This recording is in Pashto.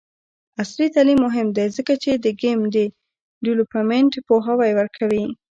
عصري تعلیم مهم دی ځکه چې د ګیم ډیولپمنټ پوهاوی ورکوي.